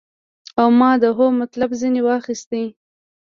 او ما د هو مطلب ځنې واخيست.